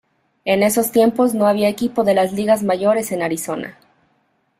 En esos tiempos no había equipo de las Ligas Mayores en Arizona.